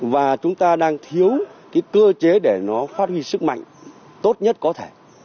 và chúng ta đang thiếu cái cơ chế để nó phát huy sức mạnh tốt nhất có thể